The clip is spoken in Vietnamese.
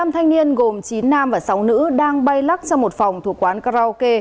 năm thanh niên gồm chín nam và sáu nữ đang bay lắc trong một phòng thuộc quán karaoke